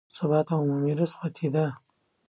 سبا ته عمومي رخصتي ده